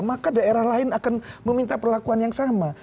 maka daerah lain akan meminta perlakuan yang sama